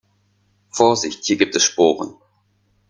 Vorsicht, hier gibt es Sporen.